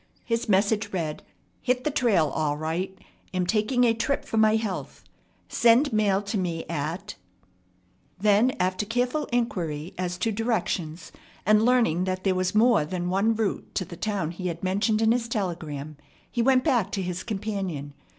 His message read: "Hit the trail all right. Am taking a trip for my health. Send mail to me at " Then after careful inquiry as to directions, and learning that there was more than one route to the town he had mentioned in his telegram, he went back to his companion.